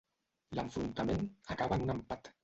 L'enfrontament acaba en un empat.